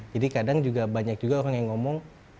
jadi kadang juga banyak juga orang yang ngomong